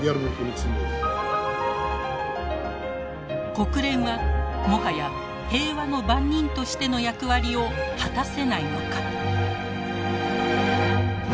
国連はもはや平和の番人としての役割を果たせないのか。